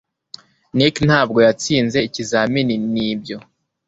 Nick ntabwo yatsinze ikizamini nibyo